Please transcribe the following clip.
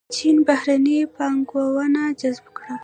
چین بهرنۍ پانګونه جذب کړه.